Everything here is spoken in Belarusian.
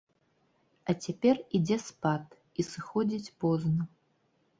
А цяпер ідзе спад, і сыходзіць позна.